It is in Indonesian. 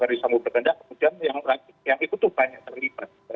dari sambung berkendang kemudian yang ikut tuh banyak terlibat